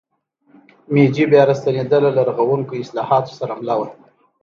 میجي بیا راستنېدنه له رغوونکو اصلاحاتو سره مله وه.